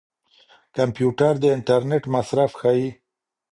کمپيوټر د انټرنيټ مصرف ښيي.